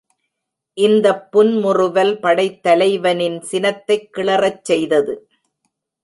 இந்தப் புன்முறுவல் படைத்தலைவனின் சினத்தைக் கிளறச் செய்தது.